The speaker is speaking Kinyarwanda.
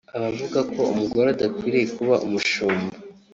Abavuga ko umugore adakwiriye kuba umushumba